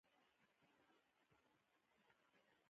فلم باید د وخت غوښتنو ته ځواب ورکړي